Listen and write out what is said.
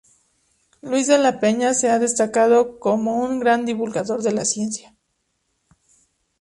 Luis de la Peña se ha destacado como un gran divulgador de la ciencia.